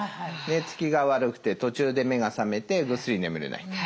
寝つきが悪くて途中で目が覚めてぐっすり眠れない。